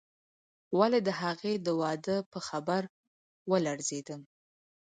ولې د هغې د واده په خبر ولړزېدم.